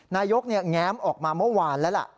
นายกรัฐมนตรีแง้มออกมาเมื่อวานแล้วล่ะ